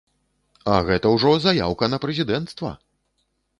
А гэта ўжо заяўка на прэзідэнцтва!